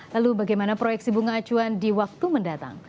lalu bagaimana proyeksi bunga acuan di waktu mendatang